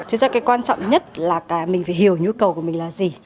chính xác quan trọng nhất là mình phải hiểu nhu cầu của mình là gì